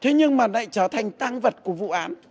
thế nhưng mà lại trở thành tăng vật của vụ án